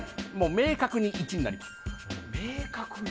明確に１になります。